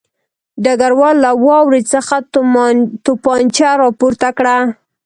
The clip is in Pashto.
ډګروال له واورې څخه توپانچه راپورته کړه